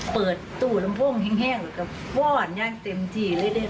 เปิดตู้ลำโพงแห้งแล้วก็ป้อนอย่างเต็มที่